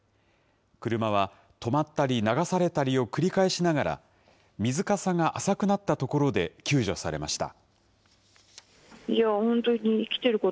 車は止まったり、流されたりを繰り返しながら、水かさが浅くなったところで、救助されました。